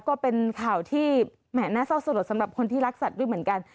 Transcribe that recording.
ก็เป็นข่าวที่แหม่น่าเศร้าสลดสำหรับคนที่รักสัตว์ด้วยเหมือนกัน